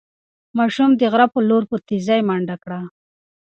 ماشوم د غره په لور په تېزۍ منډه کړه.